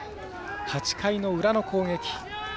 ８回の裏の攻撃。